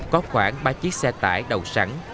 có khoảng ba chiếc xe tải đầu sẵn